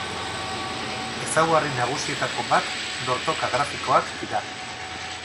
Ezaugarri nagusietako bat dortoka-grafikoak dira.